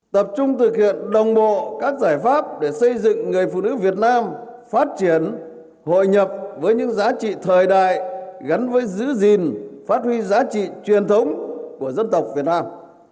tập trung thực hiện đồng bộ các giải pháp để xây dựng người phụ nữ việt nam phát triển hội nhập với những giá trị thời đại gắn với giữ gìn phát huy giá trị truyền thống của dân tộc việt nam